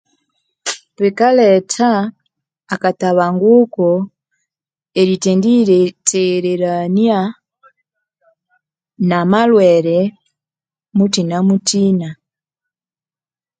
Bikaletha akatabanguko erithendiyitheghererania namalwere muthinamuthina